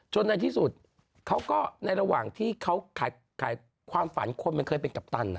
ในที่สุดเขาก็ในระหว่างที่เขาขายความฝันคนมันเคยเป็นกัปตัน